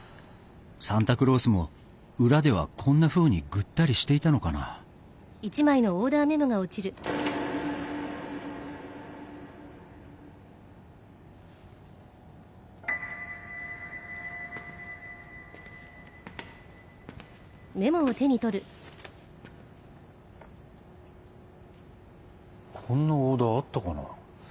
サンタクロースも裏ではこんなふうにぐったりしていたのかなこんなオーダーあったかな。